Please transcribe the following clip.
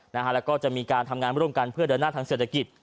แล้วก็จะมีการทำงานร่วมกันเพื่อเดินหน้าทางเศรษฐกิจ